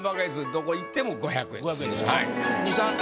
どこ行っても５００円です。